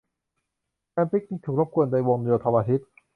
การปิคนิคถูกรบกวนด้วยวงโยธวาทิตย์